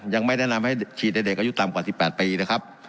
ยังไม่แนะนำให้ฉีดเด็กอายุต่ำกว่า๑๘ปีนะครับ